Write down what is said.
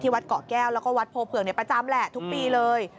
วัดเกาะแก้วแล้วก็วัดโพเผือกประจำแหละทุกปีเลย